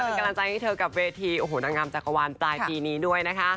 เป็นกำลังใจให้เธอกับเวทีโอ้โหนางงามจักรวาลปลายปีนี้ด้วยนะคะ